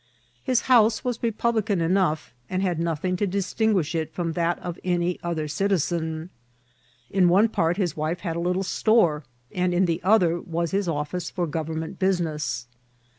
His house was republican enough, and had nothing to distinguish it from that of any other citisen ; in one part his wife had a little stcnre, and in the other was his office for government business.